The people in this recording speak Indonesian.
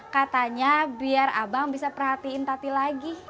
katanya biar abang bisa perhatiin tati lagi